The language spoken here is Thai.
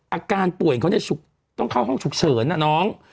อาการป่วยเขาเนี่ยต้องเข้าห้องฉุกเฉินนะน้อง